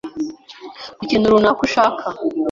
ku kintu runaka ushaka